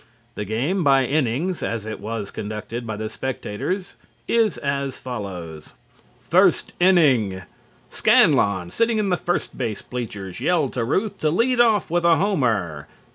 The game by innings as it was conducted by the spectators is as follows: FIRST INNING: Scanlon, sitting in the first base bleachers, yelled to Ruth to lead off with a homer.